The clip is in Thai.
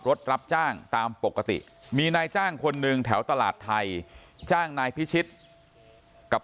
รับจ้างตามปกติมีนายจ้างคนหนึ่งแถวตลาดไทยจ้างนายพิชิตกับ